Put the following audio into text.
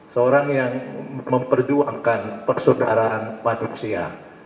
seorang yang memperjuangkan persaudaraan manusia